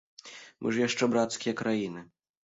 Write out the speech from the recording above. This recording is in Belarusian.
Мы ж яшчэ брацкія краіны.